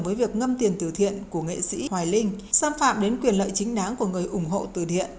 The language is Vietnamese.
với việc ngâm tiền tử thiện của nghệ sĩ hoài linh xâm phạm đến quyền lợi chính đáng của người ủng hộ từ điện